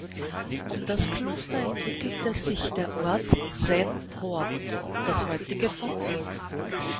Um das Kloster entwickelte sich der Ort „Seine-Port“, das heutige Fontaine.